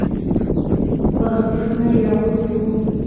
بالاپوشونه یې اغوستي وو.